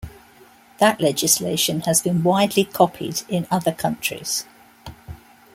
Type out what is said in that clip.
That legislation has been widely copied in other countries.